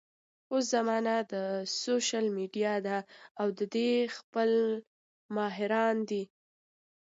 اوس زمانه د سوشل ميډيا ده او د دې خپل ماهران دي